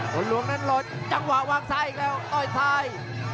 หลวงนั้นหล่นจังหวะวางซ้ายอีกแล้วต้อยซ้าย